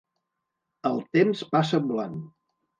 El temps passa volant.